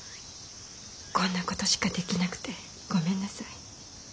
こんな事しかできなくてごめんなさい。